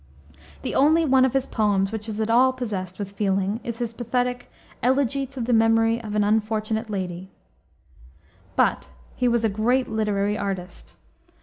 The only one of his poems which is at all possessed with feeling is his pathetic Elegy to the Memory of an Unfortunate Lady. But he was a great literary artist.